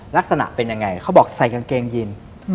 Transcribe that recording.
ลักษณะเป็นยังไงเขาบอกใส่กางเกงยิน